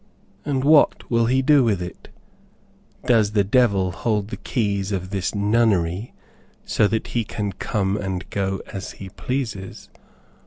And what will he do with it? Does the devil hold the keys of this nunnery, so that he can come and go as he pleases?